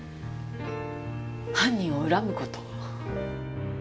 犯人をうらむ事。